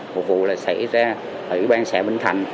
một vụ là xảy ra ở ủy ban xã binh thạnh